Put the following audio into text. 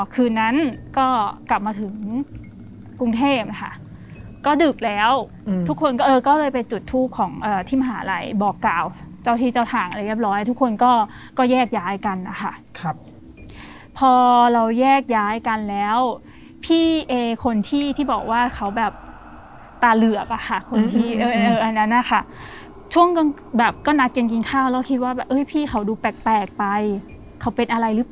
คืนนั้นก็กลับมาถึงกรุงเทพฯอ่ะค่ะก็ดึกแล้วอืมทุกคนก็เออก็เลยไปจุดทูบของเออที่มหาลัยบอกเก่าเจ้าที่เจ้าทางอะไรเรียบร้อยทุกคนก็ก็แยกย้ายกันอ่ะค่ะครับพอเราแยกย้ายกันแล้วพี่เอคนที่ที่บอกว่าเขาแบบตาเหลือบอ่ะค่ะคนที่เอออันนั้นอ่ะค่ะช่วงกันแบบก็นัดกินกินข้าวแล้วคิดว่าแ